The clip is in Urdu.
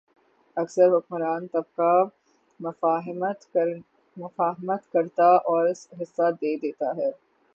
اکثر حکمران طبقہ مفاہمت کرتا اور حصہ دے دیتا ہے۔